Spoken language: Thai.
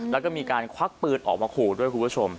แล้วก็มีการควักปืนออกมาขู่ด้วยคุณผู้ชม